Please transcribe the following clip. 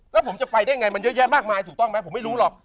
แล้วผมจะไปได้ไงมันเยอะแยะมากมายถูกต้องไหมผมไม่รู้หรอก